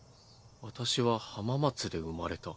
私は浜松で生まれた」。